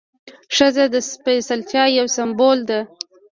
ښځه د سپېڅلتیا یو سمبول ده.